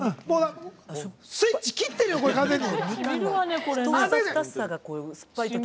スイッチ、切ってるよ完全に。